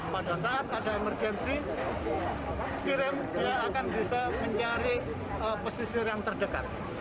pada saat ada emergensi kirim dia akan bisa mencari pesisir yang terdekat